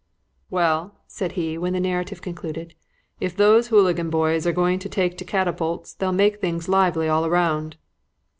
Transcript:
"Well," said he when the narrative was concluded, "if those hooligan boys are going to take to catapults they'll make things lively all round."